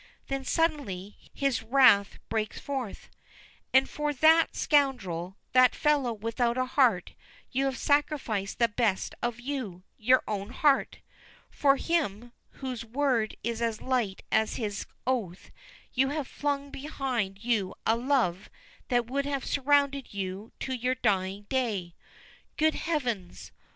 Then, suddenly, his wrath breaks forth. "And for that scoundrel, that fellow without a heart, you have sacrificed the best of you your own heart! For him, whose word is as light as his oath, you have flung behind you a love that would have surrounded you to your dying day. Good heavens!